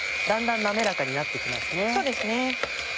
だんだん滑らかになって来ますね。